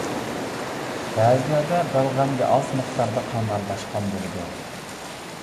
بەزىلەردە بەلغەمگە ئاز مىقداردا قان ئارىلاشقان بولىدۇ.